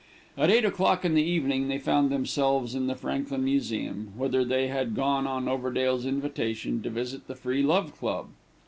At eight o'clock in the evening, they found themselves in the Franklin Museum, whither they had gone on Overdale's invitation, to visit the Free Love Club.